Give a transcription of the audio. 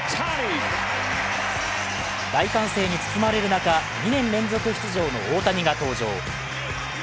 大歓声に包まれる中、２年連続出場の大谷が登場。